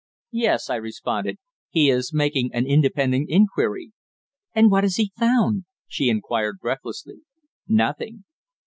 "Yes," I responded. "He is making an independent inquiry." "And what has he found?" she inquired breathlessly. "Nothing."